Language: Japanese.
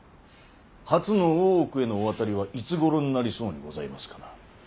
初の大奥へのお渡りはいつごろになりそうにございますかな。